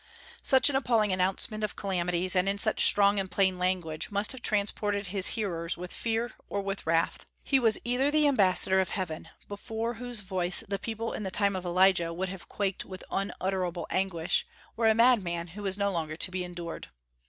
Such an appalling announcement of calamities, and in such strong and plain language, must have transported his hearers with fear or with wrath. He was either the ambassador of Heaven, before whose voice the people in the time of Elijah would have quaked with unutterable anguish, or a madman who was no longer to be endured.